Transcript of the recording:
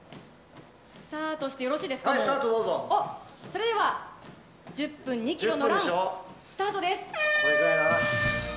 それでは１０分２ｋｍのランスタートです。